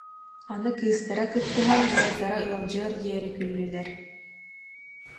Аны кыыстара кыттыһан, быардара ыалдьыар диэри күллүлэр